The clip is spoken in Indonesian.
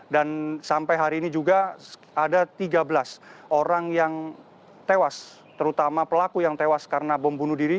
sampai hari ini juga ada tiga belas orang yang tewas terutama pelaku yang tewas karena bom bunuh diri